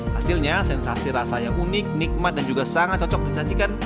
hasilnya sensasi rasa yang unik nikmat dan juga sangat cocok disajikan